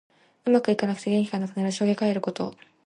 うまくいかなくて元気がなくなる。しょげかえること。